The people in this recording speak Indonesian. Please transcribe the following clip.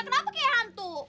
kenapa kayak hantu